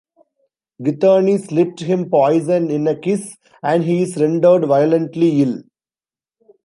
Githany slipped him poison in a kiss, and he is rendered violently ill.